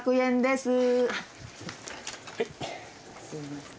すみません。